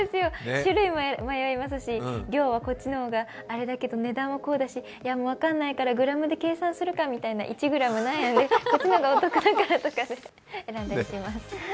種類も迷いますし、量はこっちの方があれだけど値段はあれだし、分かんないからグラムで計算するかとか、こっちの方がお得だからとかで選んだりします。